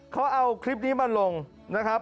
เขาเอาคลิปนี้มาลงนะครับ